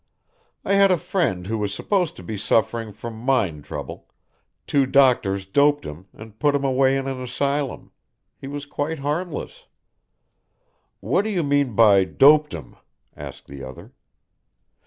"I had a friend who was supposed to be suffering from mind trouble, two doctors doped him and put him away in an asylum he was quite harmless." "What do you mean by doped him?" asked the other.